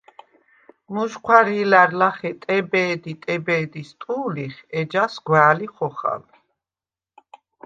მუჟჴვარი̄ლა̈რ ლახე “ტებე̄დი, ტებე̄დის” ტუ̄ლიხ, ეჯას გვა̄̈ლი ხოხალ.